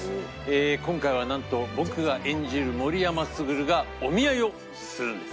今回はなんと僕が演じる森山卓がお見合いをするんです。